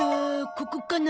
ここかな？